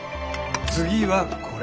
次はこれ。